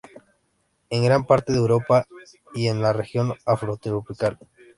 En gran parte de Europa y en la región afrotropical.